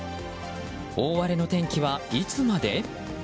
大荒れの天気はいつまで？